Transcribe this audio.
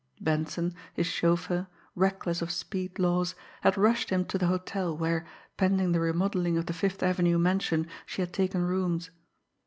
Benson, his chauffeur, reckless of speed laws, had rushed him to the hotel where, pending the remodelling of the Fifth Avenue mansion, she had taken rooms.